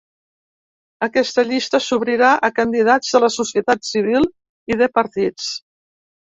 Aquesta llista s’obrirà a candidats de la societat civil i de partits.